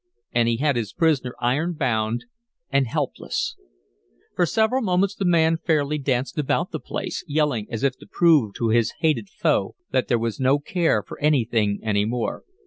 And he had his prisoner iron bound and helpless! For several moments the man fairly danced about the place, yelling as if to prove to his hated foe that there was no care for anything any more.